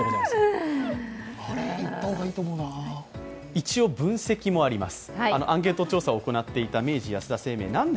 一応分析もあります。